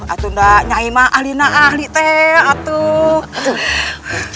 atuh ndak nyai mah ahli nah ahli teh atuh